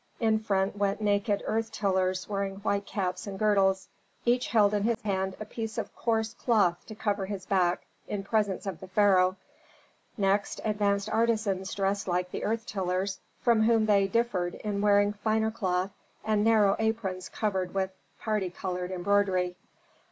In front went naked earth tillers wearing white caps and girdles; each held in his hand a piece of coarse cloth to cover his back in presence of the pharaoh. Next advanced artisans dressed like the earth tillers, from whom they differed in wearing finer cloth and narrow aprons covered with parti colored embroidery.